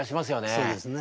そうですね。